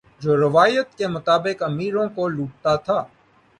جو روایت کے مطابق امیروں کو لوٹتا تھا